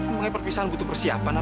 mau ngapain perpisahan butuh persiapan apa